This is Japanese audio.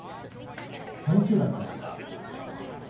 千秋楽です。